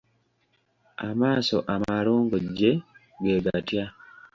Amaaso amalongojje ge gatya?